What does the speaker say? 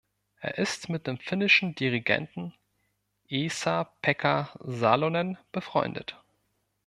Er ist mit dem finnischen Dirigenten Esa-Pekka Salonen befreundet.